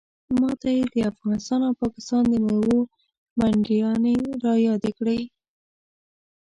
ماته یې د افغانستان او پاکستان د میوو منډیانې رایادې کړې.